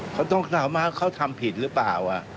เขาต้องถามว่าเขาทำผิดหรือเปล่า